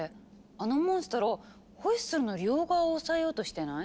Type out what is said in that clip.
あのモンストロホイッスルの両側を押さえようとしてない？